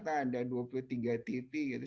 ternyata ada dua puluh tiga tv gitu